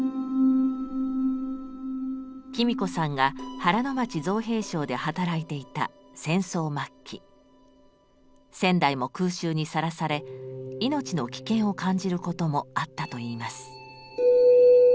喜美子さんが原町造兵廠で働いていた戦争末期仙台も空襲にさらされ命の危険を感じることもあったといいます。